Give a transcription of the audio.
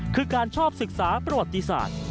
คือการชอบศึกษาประวัติศาสตร์